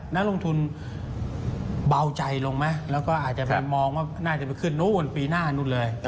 นักลงทุนเบาใจลงไหมแล้วก็อาจจะไปมองว่าน่าจะไปขึ้นนู้นปีหน้านู้นเลย